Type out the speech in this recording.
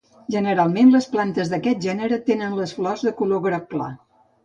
Generalment les plantes d'aquest gènere tenen les flors de color groc clar.